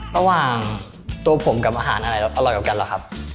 ระหว่างตัวผมกับอาหารอะไรอร่อยกว่ากันเหรอครับ